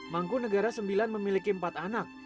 mangkunegara ix memiliki empat anak